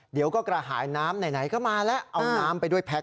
เดี๋ยวก็กระหายน้ำไหนก็มาแล้วเอาน้ำไปด้วยแพ็ค